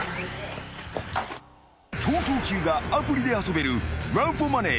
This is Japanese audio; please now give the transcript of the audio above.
［『逃走中』がアプリで遊べる］